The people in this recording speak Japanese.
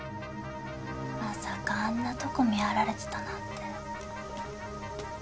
まさかあんなとこ見張られてたなんて。